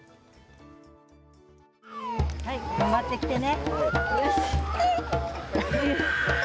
頑張ってきてね。